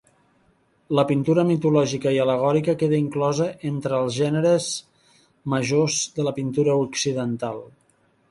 La pintura mitològica i al·legòrica queda inclosa entre els gèneres majors de la pintura occidental.